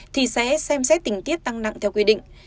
thì sẽ xem xét tình tiết tăng nặng theo quy định